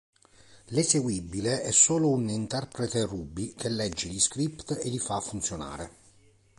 L'eseguibile è solo un interprete Ruby che legge gli script e li fa funzionare.